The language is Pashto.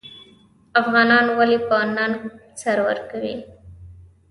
افغانان ولې په ننګ سر ورکوي؟